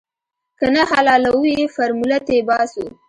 که نه حلالوو يې فارموله تې باسو.